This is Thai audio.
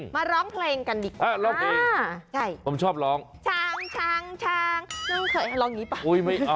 มาร้องเพลงกันดีกว่านะใช่